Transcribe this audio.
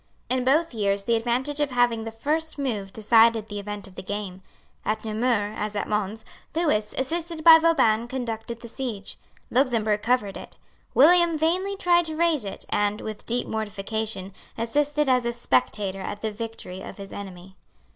In both years the advantage of having the first move decided the event of the game. At Namur, as at Mons, Lewis, assisted by Vauban conducted the siege; Luxemburg covered it; William vainly tried to raise it, and, with deep mortification, assisted as a spectator at the victory of his enemy.